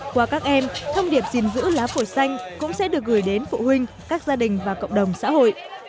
qua các em thông điệp gìn giữ lá phổi xanh cũng sẽ được gửi đến phụ huynh các gia đình và cộng đồng xã hội